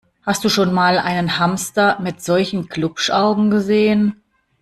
Hast du schon mal einen Hamster mit solchen Glupschaugen gesehen?